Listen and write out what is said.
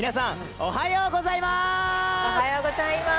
おはようございます。